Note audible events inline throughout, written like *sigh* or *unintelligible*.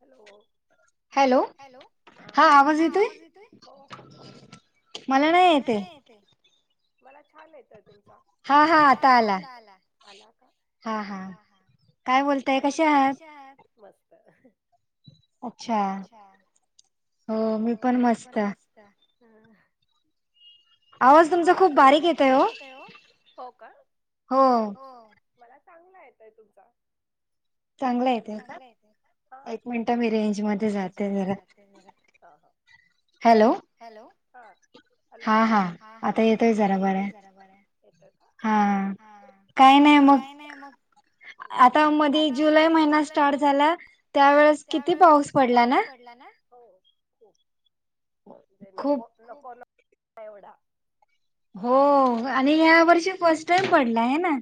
Hello? Hello हा बोला ताई हा आवाज येतोय? हो. मला नाही येतय मला छान येतोय तुमचा. हा हा आता आला आला का? हा हा. काय बोलताय कसे आहात? मस्त. अच्छा चालेल हो मी पण मस्त हं. आवाज तुमचा खूप बारीक येतोय ओ. हो का? हो. मला चांगला येतोय तुमचा. चांगला येतोय का? एक मिनिट मी रेंजमध्ये जाते जरा. हॅलो. हॅलो? हा. हॅलो? हा हा आता येतोय जरा बरा येतोय का? हा. काही नाही मग काही नाही मग आत्तामधी जुलै महिना स्टार्ट झाला त्यावेळेस किती पाऊस किती पाऊस पडला ना हो. म्हणजे नको खूप नको न एवढा. हो आणि या वर्षी फर्स्ट टाइम पडला हाय ना.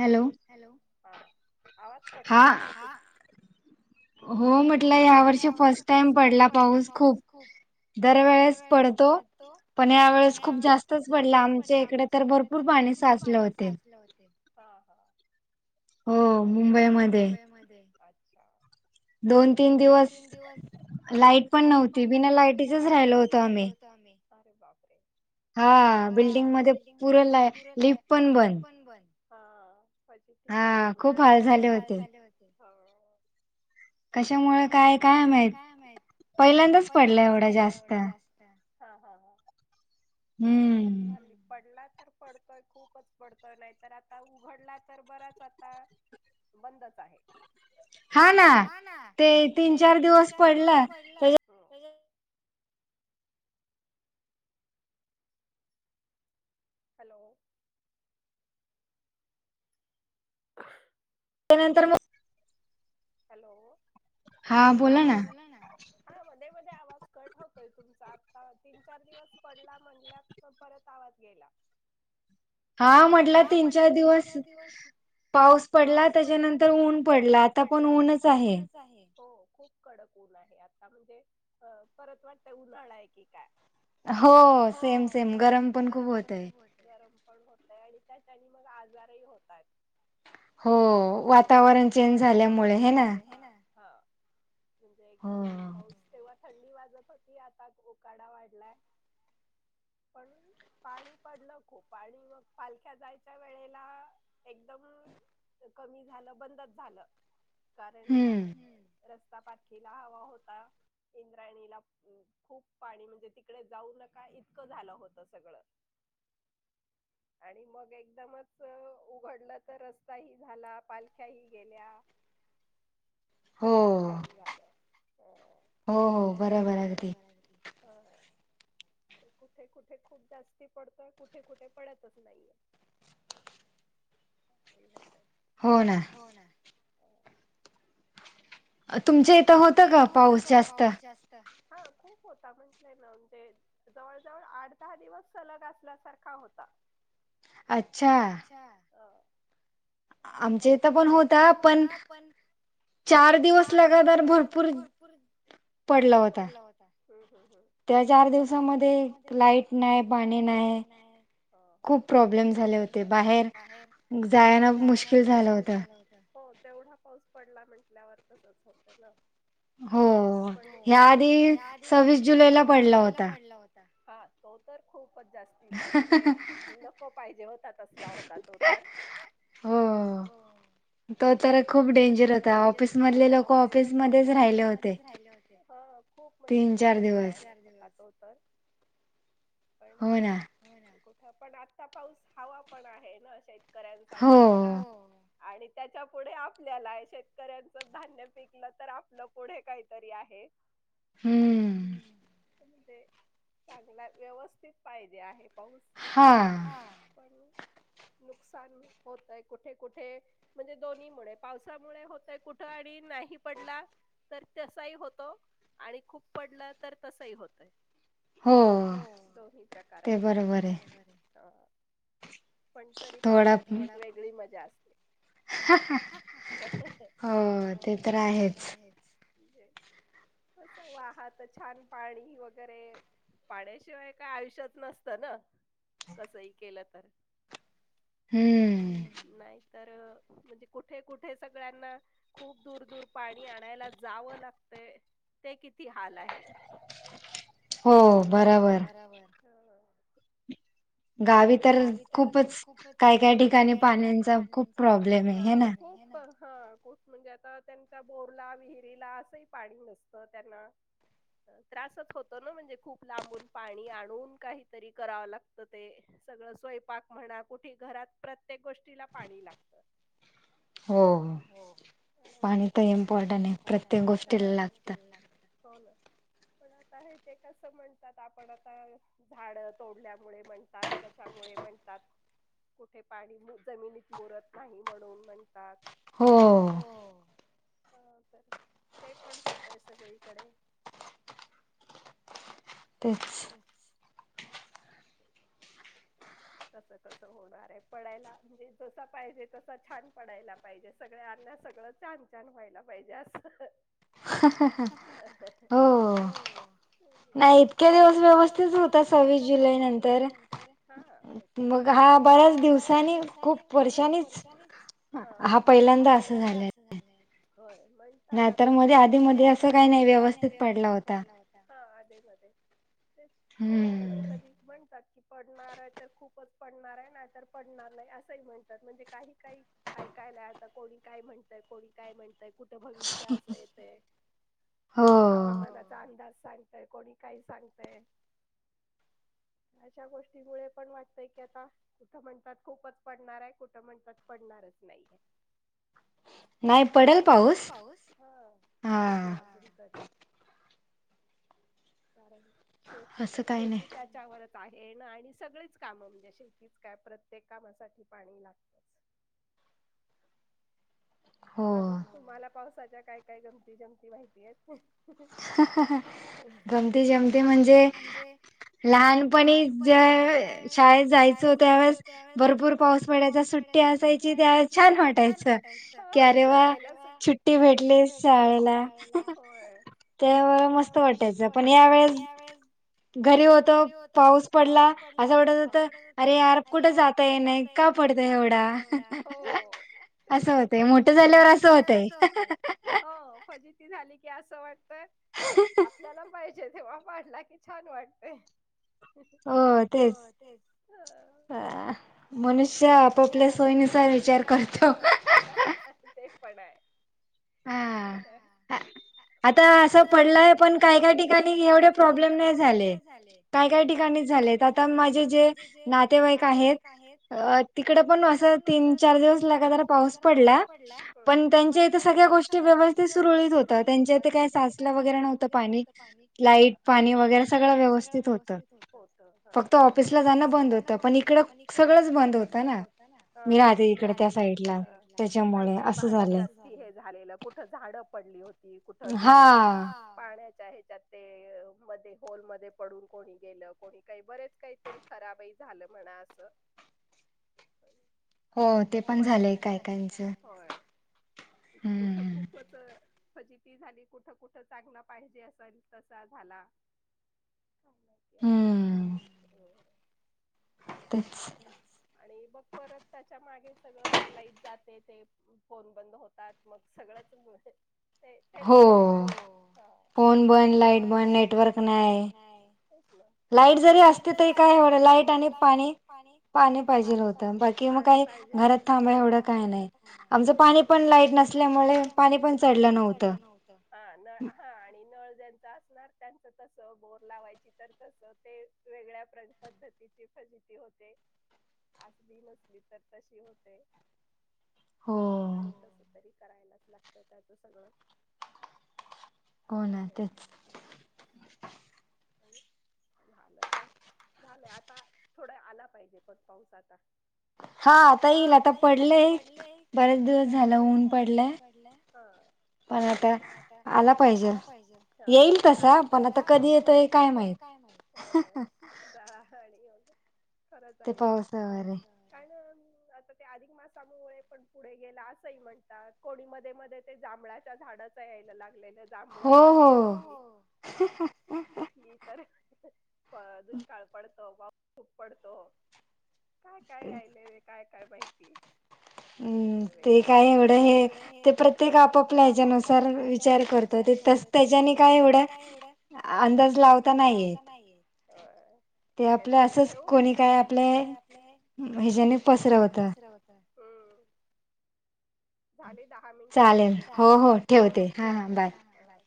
हॅलो. हॅलो? हा आवाज कटतोय काय की? हा. हो म्हटलं ह्या वर्षी फर्स्ट टाइम पडला पाऊस खूप हा दरवेेळेस पडतो पड पण या वेळेस खूप जास्तच पडला. आमच्या इकडे तर भरपूर पाणी साचले होते हा हा. *inaudible* कुठे राहतो तुम्ही? हो मुंबई मध्ये अच्छा दोन तीन दिवस लाईट पण नव्हती बिना लाइटीचेच राहिलो होतो आम्ही अरे बापरे. हा बिल्डिंगमध्ये पूरं आलाय लिफ्ट पण बंद हा. फजितीच झाली म्हणजे हा खूप हाल झाले होते हा. काई काई कारण कशामुळे काय काय माहित पहिल्यांदाच पडला एवढा जास्त. ह हा हा हा. हम्म. हं, पडला तर पडतोय खूपच पडतोय. नाहीतर आता उघडला तर बराच आता बंदच आहे. हा ना ते तीन चार दिवस पडला *unintelligible* हॅलो. त्या नंतर मग हॅलो हा बोला ना. हा मध्येमध्ये आवाज कट होतोय तुमचा आत्ता तीन चार दिवस पडला म्हणल्यात. तो परत आवाज गेला. हा म्हंटल तीन, चार दिवस पाऊस पडला त्याच्यानंतर ऊन पडला आता पण ऊनच आहे. हो खूप कडक ऊन आहे आता म्हणजे अ परत वाटते उन्हाळा आहे की काय. अ हो सेम सेम गरम पण खूप हो गरम पण होतय आणि त्याच्याने मग आजारही होतायेत. हो वातावरण चेंज झाल्यामुळे हे ना? हो म्हणजे एकदम पाऊस तेव्हा थंडी वाजत होती. आता ऊकाडा वाढलाय. पण पाणी पडलं खूप आणि मग पालख्या जायच्या वेळेला एकदम हे कमी झालं बंदच झालं, कारण रस ता पालखीला हवा होता. इंद्रायणीला न खूप पाणी म्हणजे तिकडे जाऊ नका इतकं झालं होतं सगळं. *inaudible* आणि मग एकदमच उघडलं तर र स्ताही झाला, पालख्याही गेल्या. सगळंच छान झालं. हो हो हो बरोबर अगदी. हा हा आणि कुठे कुठे खूप जास्ती पडतोय, कुठे कुठे पडतच नाहीये. असही होतय. हो ना. हो ना. अ तुमचे इथं होतं का पाऊस जास्त? हा खूप होता म्हंटलंय ना, म्हणजे जवळ जवळ आठ दहा दिवस सलग असल्यासारखा होता. अच्छा आमच्या इथं पण होता, पण चार दिवस लगातार भरपूर पडला होता. त्या चार दिवसामध्ये लाईट नाही, पाणी नाही. खूप प्रॉब्लेम झाले होते, बाहेर जाणं मुश्किल झालं होत. हो तेवढा पाऊस पडला म्हंटल्यावर तसच होते ना. हो ह्या आधी सव्वीस जुलैला पडला होत हा तो तर खूपच जास्त तिचा म्हणजे नको पाहिजे होता तसला होता तो तर. हो. तो तर खूप डेंजर होता ऑफिसमधले लोक ऑफिसमध्येच राहिले होते. खूप म्हणजे खूपच बाहेर असं होतं. पण, कुठ पण आता पाऊस हवा पण आहे ना शेत कऱ्यांसाठी म्हणा आणि त्याच्या पुढे आपल्याला आहे. शेतकऱ्यांच धान्य पिकलं तर आपलं पुढे काहीतरी आहे. हम्म. हम्म. ते म्हणजे चांगला, व्यवस्थित पाहिजे आहे. पाऊस हा पण नुकसान होतय कुठे कुठे. म्हणजे दोन्हीमूळे पावसामुळे होतय कुठं आणि नाही पडला तर तसाही होतो आणि खूप पडला तर तसही होतय. हो ते बरोबर आहे. पण तरी पावसाची एक वेगळी मजा असते. ते तर आहेच. कसं वाहत छान पाणी वगैरे पाण्याशिवाय काय आयुष्यात नसतं ना, कसही केलं तर. हम्म. हम्म. नाहीतर म्हणजे कोठे-कोठे सगळ्यांना खूप दूर-दूर पाणी आणायला जावं लागतय ते किती हाल आहे. हो बराबर. गावी तर खूपच काय-काय ठिकाणी पाण्यांचा खूप प्रॉब्लेम हे ना. हा कुठ म्हणजे आता त्यांच्या बोरला विहिरीला असंही पाणी नसतं त्यांना त्रासच होतो ना म्हणजे खूप लांबून पाणी आणून काहीतरी करावं लाग तं ते सगळं स्वयंपाक म्हणा कुठे घरात प्रत्येक गोष्टीला पाणी लागतं. हो हो पाणी तर इम्पॉर्टंट आहे प्रत्येक गोष्टीला लागतं पण आता हे ते कसं म्हणतात आपण आता झाड तोडल्यामुळे म्हणतात कशामुळे म्हणतात कुठे पाणी मु जमिनीत मुरत नाही म्हणून म्हणतात. हो. हा तर ते पण होतय सगळीकडे. तेच तसं कसं होणार आहे पडायला म्हणजे जसा पाहिजे तसं छान पडायला पाहिजे सगळ्यांना सगळंच चान-चान होयाला पाहिजे असं. हो नाही इतके दिवस व्यवस्थि तच होता सव्वीस जुलै नंतर मग हा बऱ्याच दिवसाांनी खूप वर्षांनीच हो हा पहिल्यांदा अ सं झालय नाही तर आधी मधे आधी असं काय नाय व्यवस्थित पडला होता. हा आधे मध्ये हम्म. कधी-कधी म्हणतात की पडणार आहे तर खू पच पडणार आहे नाही तर पडणार नाही असं ही म्हणतात म्हणजे काही-काही ऐकायला आयता कोणी काय म्हणतय कोणी काय म्हणतय कु ठं भविष्य अस येतेय कोणी हवा *unintelligible* तांदार सांगतय कोणी काही सांगतय अशा गोष्टीमुळे पण वाट तय की आता कुठं म्हणतात खूपच पडणार आहे कुठं म्हणतात पडणारच नाहीये. नाही पडेल पाऊस हा. कारण शेती शती *unintelligible* त्याच्यावरच आहे ना आणि सगळेच कामं म्हणजे शेती काय प्रत्येक कामासाठी पाणी लागतच. अजून तुम्हाला पावसाच्या काय-काय गमती जमती माहिती आहे? गमती जमते म्हणजे लहान पणी ज्या शाळेत जायचो त्यावेळेस भरपूर पाऊस पडायचा सुट्टी असाय ची त्या छान वाटायच हो, अरे वा छुट्टी भेटली शाळेला. त्या वेळ्या मस्त वाटायचं पण या वेळेस घरी होतो पाऊस पडला असं वाटत होत अरे यार कुठे जाताय नाही का पडतय एवढा, असं होतय जास्त झाल्यावर असं होतय. हो खजित ती झाली की असं वाटत आपल्याला पाहिजे तेव्हा पाडला की छान वाट हो तेच. *unintelligible* च्या आपापल्या सोयनुसार विचार कर ते पण हाय. हा. आता असं पडलाय, पण काय काय ठिकाणी एवढे प्रॉब्लेम नाही झाले काय काय ठिकाणी झालेत, आता माझे जे नातेवाईक आहेत अ तिकडे पण असं तीन-चार दिवस लगातार पाऊस पडला पण त्यांच्या इथे सगळ्या गोष् ते सुरळीत होतात. त्यांच्या ते काय सासला वगैरे नव्हतं पाणी लाईट पाणी वगैरे व व्यवस्थित होतं. फक्त ऑफिसला जाणं बंद होत, पण इकडं सगळंच बंद हो का ना, म्हणजे इकडे त्या साईडला. काही काही भागात जात हे झालेलं, कुठ झाडं पडली होती. कुठ ते, हा. पाण्याच्या ह्याच्यात ते मध्ये होलमध्ये पडून कोणी गेलं. कोणी काही बरेच काहीतरी खराबही झालं म्हणा असं. *inaudible* होय पण, होय ते पण झालंय काय काय. म्हणजे कुठ खूपच फजिती झाली. कुठं कुठं चांगलं पाहिजे, असेल तसा झाला. काय माहिती आता, ते आहे. तेच. आणि बग परत त्याच्या मागे सगळं मग लाईट जाते ते फोन बंद होतात, मग सगळंच म ते ते पण होतंय. हो. फोन बंद, लाईट बंद, नेटवर्क नाही. तेच ना लाईट जरी असती तरी काय एवढं लाईट आणि पाणी, पाणी पाहिजेल होतं. मग काय काय नाही पाहिजेल हा घरात थांब एवढं काय नाही. आमचं पाणी पण लाईट नसल्यामुळे पाणीपण चढलं नव्हतं. हा नळ हा आणि नळ ज्यांचा असणार, त्यांच कसं बोर लावायची तर तसं ते वेगळ्या पद्धतीची फजिती होते. असली नसली तर तशी होते. आणि कसंतरी करायलाच लागतं त्याचं सगळं. ते आहे म्हणा की. *inaudible* झालंच हा, झालंय आता थोडा आला पाहिजे पण पाऊस आता. हा आता येईल आता पडलंय, बरेच दिवस झालं होऊन पडलंय. पण आता आला पाहिजेल. हां आता, येईल तसा पण आ ता कधी येतोय काय माहित. *unintelligible* खरंच आहे ना. ते पाऊस *inaudible* आता ते अधिक मासामुळे पण पुढे गेला, असंही म्हणतात. कोणी मध्ये मध्ये ते जांभळाच्या झाडाचं यायला लागलेलं. जांभळ जास्ती पिकली, हो हो. हा पिकली तर दुष्काळ पडतो, पा खूप पडतो. काय काय आयले वे काय काय माहिती. वेगळं वेगळं. ते काय एवढं हे, ते प्रत्येक आपापल्या हेच्यानुसार विचार करत्यात. ते तसं त्याज्याने काय एवढं होय. अंदाज लावता नाही येत. ठीक आहे, चला ठेऊ. नाहीतर असच कोणी काय आपल्या हेज्याने पसरवत. ते होतं, हम्म. झाले दहा मिनट ठेवते. चालेल, हो हो ठेवते. हा हा बाय.